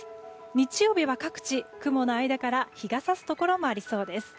日曜日は各地雲の間から日が差すところもありそうです。